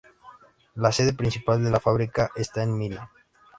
La sede principal de la fábrica está en Milán.